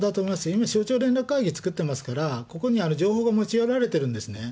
今、省庁連絡会議作ってますから、ここに情報が持ち寄られているんですね。